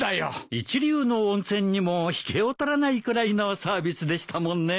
一流の温泉にも引けを取らないくらいのサービスでしたもんね。